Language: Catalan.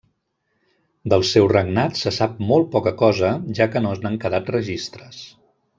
Del seu regnat se sap molt poca cosa, ja que no n'han quedat registres.